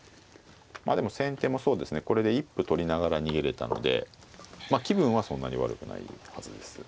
でも先手もそうですねこれで一歩取りながら逃げれたので気分はそんなに悪くないはずです。